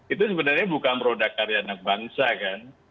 itu sebenarnya bukan produk karya anak bangsa kan